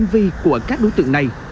vi của các đối tượng này